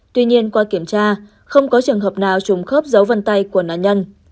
tuy nhiên qua kiểm tra không có trường hợp nào trùng khớp dấu vân tay của nạn nhân